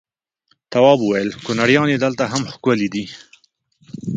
تواب وويل: کنریانې دلته ښکلې دي.